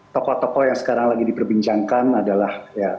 tokoh tokoh yang sekarang lagi diperbincangkan adalah